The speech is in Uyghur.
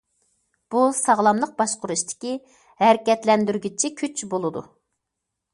بۇ ساغلاملىق باشقۇرۇشتىكى ھەرىكەتلەندۈرگۈچى كۈچ بولىدۇ.